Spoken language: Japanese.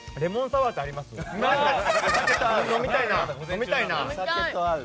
飲みたいな。